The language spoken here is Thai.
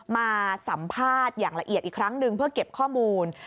มาสัมภาษณ์อย่างละเอียดอีกครั้งหนึ่งเพื่อเก็บข้อมูล